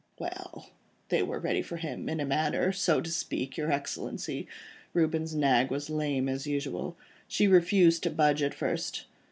"Well! they were ready in a manner, so to speak, your Excellency. Reuben's nag was lame as usual; she refused to budge at first.